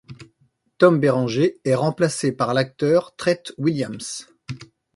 Tom Berenger est remplacé par l'acteur Treat Williams.